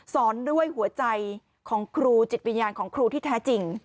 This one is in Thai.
สอนด้วยหัวใจของครูจิตวิญญาณของครูที่แท้จริง